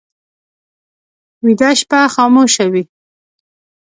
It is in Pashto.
ویده شپه خاموشه وي